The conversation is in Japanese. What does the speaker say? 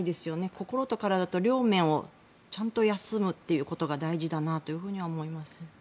心と体と両面をちゃんと休むということが大事だなというふうには思います。